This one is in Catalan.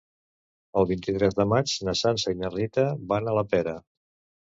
El vint-i-tres de maig na Sança i na Rita van a la Pera.